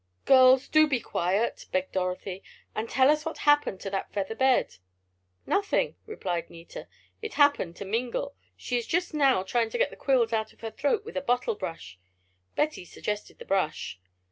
"Girls, do be quiet!" begged Dorothy, "and tell us what happened to that feather bed." "Nothing," replied Nita, "it happened to Mingle. She is just now busy trying to get the quills out of her throat with a bottle brush. Betty suggested the brush."